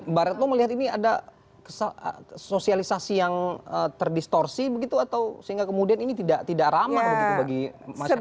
mbak retno melihat ini ada sosialisasi yang terdistorsi begitu atau sehingga kemudian ini tidak ramah begitu bagi masyarakat